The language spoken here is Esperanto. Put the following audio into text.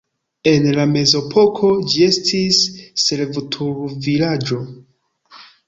En la mezepoko ĝi estis servutulvilaĝo.